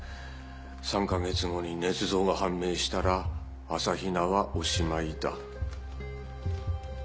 ３か月後に捏造が判明したら朝比奈はおしまいだ。